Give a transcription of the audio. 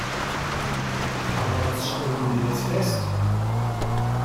Aber was stellen wir jetzt fest?